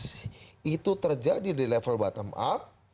data analysis itu terjadi di level bottom up